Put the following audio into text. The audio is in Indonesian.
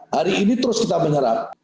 hari ini terus kita menyerap